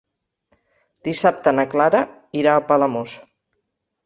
Dissabte na Clara irà a Palamós.